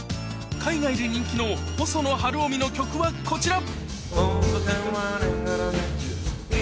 海外で人気の細野晴臣の曲はこちら